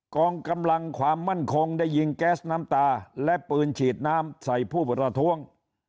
กองกำลังความมั่นคงได้ยิงแก๊สน้ำตาและปืนฉีดน้ำใส่ผู้ประท้วง